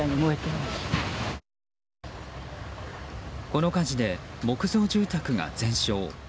この火事で木造住宅が全焼。